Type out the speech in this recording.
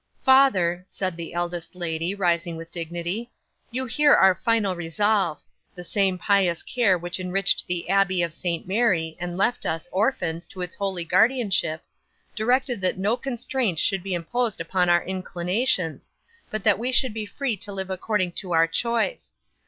'"Father," said the eldest lady, rising with dignity, "you hear our final resolve. The same pious care which enriched the abbey of St Mary, and left us, orphans, to its holy guardianship, directed that no constraint should be imposed upon our inclinations, but that we should be free to live according to our choice.